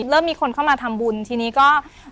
เริ่มมีคนเข้ามาทำบุญทีนี้ก็